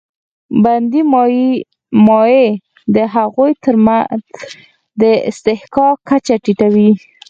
بندي مایع د هغوی تر منځ د اصطحکاک کچه ټیټوي.